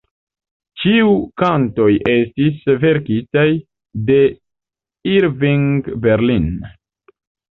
Ĉiu kantoj estis verkitaj de Irving Berlin.